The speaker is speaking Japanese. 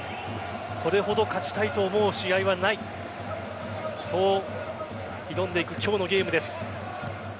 これほど勝ちたいと思う試合はないそう挑んでいく今日のゲームです。